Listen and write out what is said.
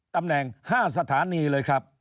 ตำแหน่ง๕สถานีเลยครับ